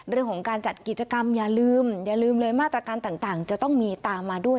เรื่องของการจัดกิจกรรมอย่าลืมอย่าลืมเลยมาตรการต่างจะต้องมีตามมาด้วย